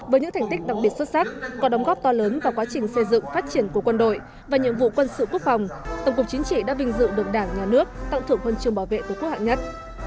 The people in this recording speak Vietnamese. với những thành tích đặc biệt xuất sắc có đóng góp to lớn vào quá trình xây dựng phát triển của quân đội và nhiệm vụ quân sự quốc phòng tổng cục chính trị đã vinh dự được đảng nhà nước tặng thưởng huân chương bảo vệ tổ quốc hạng nhất